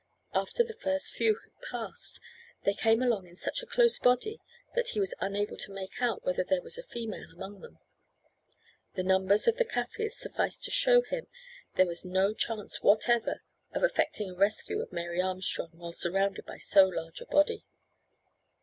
After the first few had passed they came along in such a close body that he was unable to make out whether there was a female among them. The numbers of the Kaffirs sufficed to show him there was no chance whatever of effecting a rescue of Mary Armstrong while surrounded by so large a body.